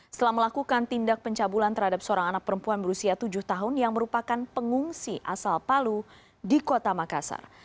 setelah melakukan tindak pencabulan terhadap seorang anak perempuan berusia tujuh tahun yang merupakan pengungsi asal palu di kota makassar